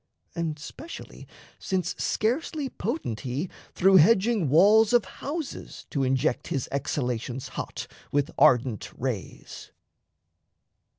And, specially, since scarcely potent he Through hedging walls of houses to inject His exhalations hot, with ardent rays.